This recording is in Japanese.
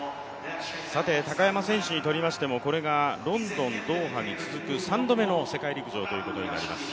さて高山選手にとりましても、これがロンドン、ドーハに続く３度目の世陸陸上ということになります。